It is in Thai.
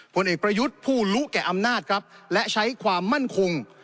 ผลเอกประยุทธ์ผู้รู้แก่อำนาจครับและใช้ความมั่นคง